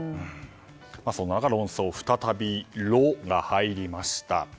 そんな中、論争再びの「ロ」が入りました。